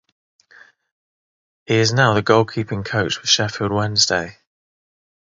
He is now the goalkeeping coach for Sheffield Wednesday.